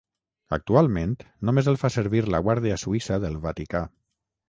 Actualment només el fa servir la Guàrdia suïssa del Vaticà.